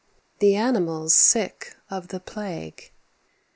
THE ANIMALS SICK OF THE PLAGUE.